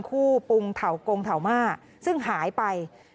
คู่ปรุงเถากงเถาม่าซึ่งหายไป